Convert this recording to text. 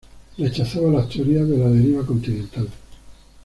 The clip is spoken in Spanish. Rechazaba las teorías de la deriva continental.